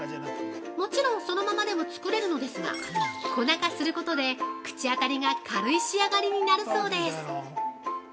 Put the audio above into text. もちろん、そのままでも作れるのですが、粉化することで、口当たりが軽い仕上がりになるそうです。